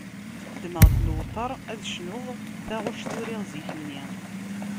Ddmeɣ-d lewṭer ad cnuɣ taɣect uriɣ zik-nni.